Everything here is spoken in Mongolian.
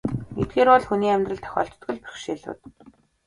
Эдгээр бол хүний амьдралд тохиолддог л бэрхшээлүүд.